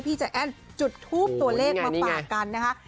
ใจแอ้นจุดทูปตัวเลขมาฝากกันนะคะ